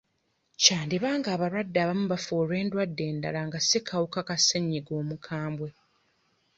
Kyandiba ng'abalwadde abamu bafa olw'endwadde endala nga si kawuka ka ssenyiga omukambwe.